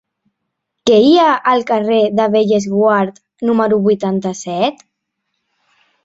Què hi ha al carrer de Bellesguard número vuitanta-set?